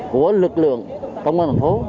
của lực lượng công an phố